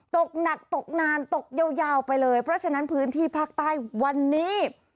ตกหนักตกนานตกยาวไปเลยเพราะฉะนั้นพื้นที่ภาคใต้วันนี้